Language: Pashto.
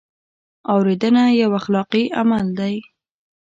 اورېدنه یو اخلاقي عمل دی.